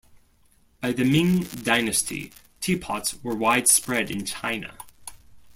By the Ming Dynasty, teapots were widespread in China.